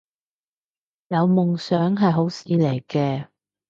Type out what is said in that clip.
有夢想係好事嚟嘅